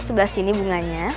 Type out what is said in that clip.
sebelah sini bunganya